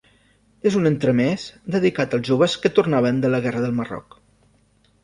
És un entremés dedicat als joves que tornaven de la Guerra del Marroc.